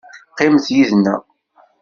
Qqimet yid-nneɣ.